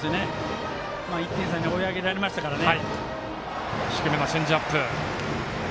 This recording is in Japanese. １点差に追い上げられましたからね。